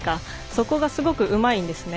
そこがすごくうまいんですね。